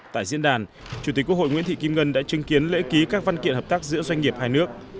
tại diễn đàn chủ tịch quốc hội nguyễn thị kim ngân đã chứng kiến lễ ký các văn kiện hợp tác giữa doanh nghiệp hai nước